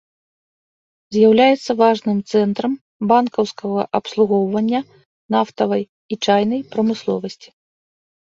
З'яўляецца важным цэнтрам банкаўскага абслугоўвання, нафтавай і чайнай прамысловасці.